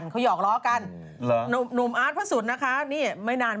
เห็นตั้งนาน